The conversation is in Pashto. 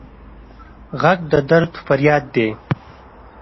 غږ د درد فریاد دی